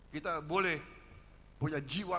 kita boleh punya jiwa